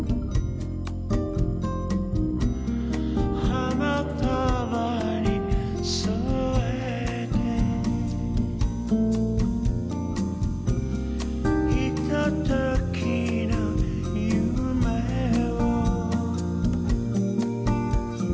「花束に添えて」「ひとときの夢を」